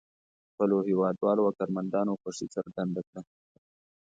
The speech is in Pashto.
خپلو هېوادوالو او کارمندانو خوښي څرګنده کړه.